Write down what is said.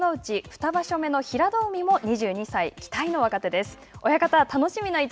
二場所目の平戸海も２２歳期待の若手です。